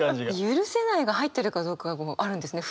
「許せない」が入ってるかどうかあるんですね。